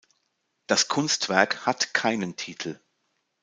Das Kunstwerk hat keinen Titel.